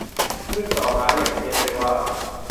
ซึ่งต่อมาเรียกเพี้ยนไปว่า